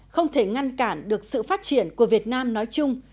không thể ngăn cản được sự phát triển của việt nam nói chung